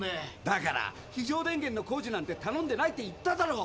だから非常電源の工事なんてたのんでないって言っただろ。